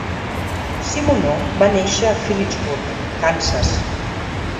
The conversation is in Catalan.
Simoneau va néixer a Phillipsburg, Kansas.